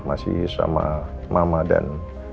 masih sama mama dan